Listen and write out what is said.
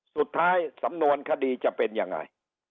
สุดท้ายสำนวนคดีจะเป็นยังไง